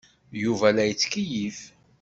Yuba la yettkeyyif.